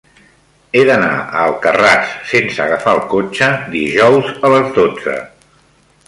He d'anar a Alcarràs sense agafar el cotxe dijous a les dotze.